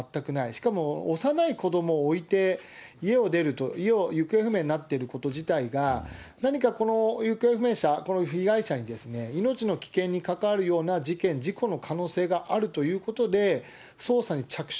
しかも幼い子どもを置いて、家を出ると、要は行方不明になっているということ自体が、何か行方不明者、この被害者に命の危険に関わるような事件、事故の可能性があるということで、捜査に着手。